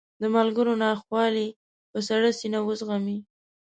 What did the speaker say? د ملګرو ناخوالې په سړه سینه وزغمي.